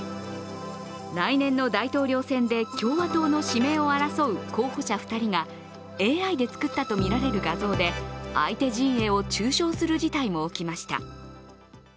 来年の大統領選で共和党の指名を争う候補者２人がＡＩで作ったとみられる画像で相手陣営を中傷する事態も起きました。